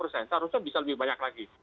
seharusnya bisa lebih banyak lagi